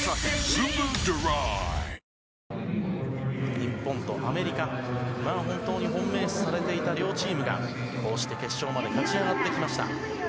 日本とアメリカ、本当に本命視されていた両チームが、こうして決勝まで勝ち上がってきました。